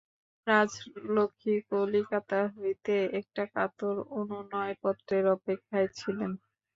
রাজলক্ষ্মী কলিকাতা হইতে একটা কাতর অনুনয়পত্রের অপেক্ষায় ছিলেন।